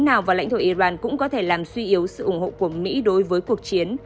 nào và lãnh thổ iran cũng có thể làm suy yếu sự ủng hộ của mỹ đối với cuộc chiến